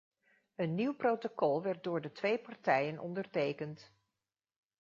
Een nieuw protocol werd door de twee partijen ondertekend.